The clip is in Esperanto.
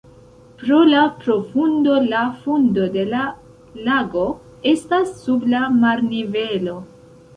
Pro la profundo la fundo de la lago estas sub la marnivelo.